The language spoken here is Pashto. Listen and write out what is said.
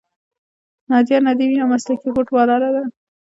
نادیه ندیم یوه مسلکي فوټبالره ده.